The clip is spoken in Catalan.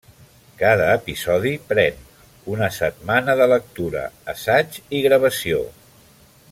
Cada episodi pren una setmana de lectura, assaig i gravació.